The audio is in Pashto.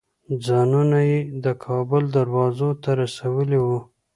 ځانونه یې د کابل دروازو ته رسولي وو.